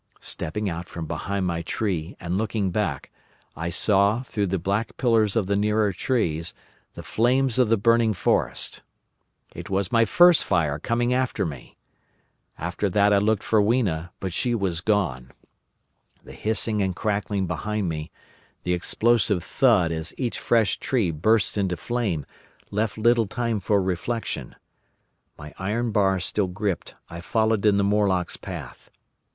"Stepping out from behind my tree and looking back, I saw, through the black pillars of the nearer trees, the flames of the burning forest. It was my first fire coming after me. With that I looked for Weena, but she was gone. The hissing and crackling behind me, the explosive thud as each fresh tree burst into flame, left little time for reflection. My iron bar still gripped, I followed in the Morlocks' path.